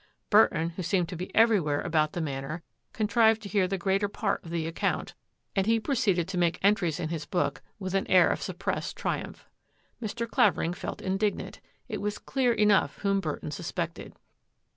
Bur ton, who seemed to be everywhere about the Manor, contrived to hear the greater part of the account. 70 THAT AFFAIR AT THE MANOR and he proceeded to make entries in his book with an air of suppressed triumph. Mr. Clavering felt indignant. It was clear enough whom Burton suspected.